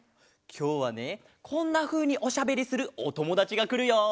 きょうはねこんなふうにおしゃべりするおともだちがくるよ！